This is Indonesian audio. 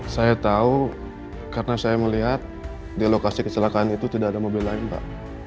saya tahu karena saya melihat di lokasi kecelakaan itu tidak ada mobil lain pak